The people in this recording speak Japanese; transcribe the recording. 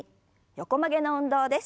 横曲げの運動です。